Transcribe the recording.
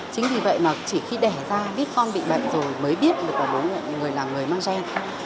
chính vì vậy mà chỉ khi đẻ ra biết con bị bệnh rồi mới biết được là bố mẹ người là người mang gian